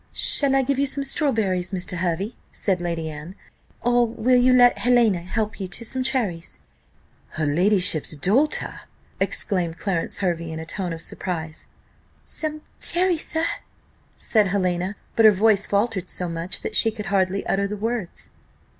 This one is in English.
"Shall I give you some strawberries, Mr. Hervey," said lady Anne, "or will you let Helena help you to some cherries?" "Her ladyship's daughter!" exclaimed Clarence Hervey in a tone of surprise. "Some cherries, sir?" said Helena; but her voice faltered so much, that she could hardly utter the words.